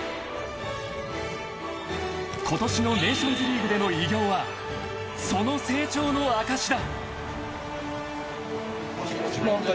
［今年のネーションズリーグでの偉業はその成長の証しだ］